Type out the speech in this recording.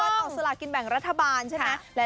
เป็นวันออกสลากินแบ่งรัฐบาลใช่ไหม